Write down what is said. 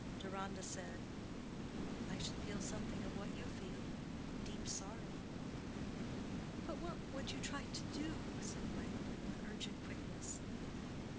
Deronda said, "I should feel something of what you feel—deep sorrow." "But what would you try to do?" said Gwendolen, with urgent quickness.